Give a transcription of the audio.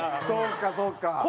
そうかそうか。